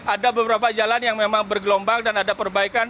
ada beberapa jalan yang memang bergelombang dan ada perbaikan